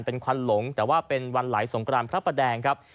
เป็นควันหลงแต่ว่าเป็นวันไหลสงกรานพระประแดงครับ